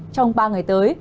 trong ba ngày tới